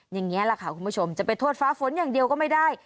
อย่างนี้แหละค่ะคุณผู้ชมจะไปโทษฟ้าฝนอย่างเดียวก็ไม่ได้